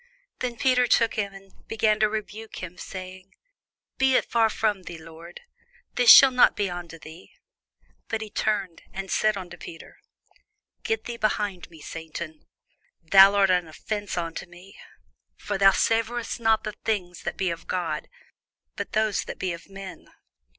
Then Peter took him, and began to rebuke him, saying, Be it far from thee, Lord: this shall not be unto thee. But he turned, and said unto Peter, Get thee behind me, Satan: thou art an offence unto me: for thou savourest not the things that be of God, but those that be of men.